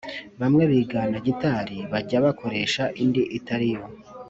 bamwe bigana gitari bajya bakoresha indi itariyo